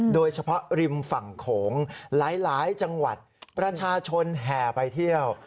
โดยเฉพาะริมฝั่งโขงหลายจังหวัดประชาชนแห่ไปเที่ยว